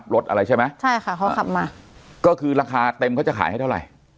รถอะไรใช่ไหมใช่ค่ะเขาขับมาก็คือราคาเต็มเขาจะขายให้เท่าไหร่